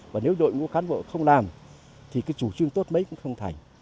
và nếu đội ngũ cán bộ không làm thì cái chủ trương tốt mấy cũng không thành